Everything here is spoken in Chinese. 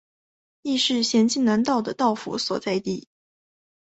亦是咸镜南道的道府所在地。